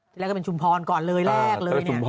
ที่แรกก็เป็นชุมพรก่อนเลยแรกเลย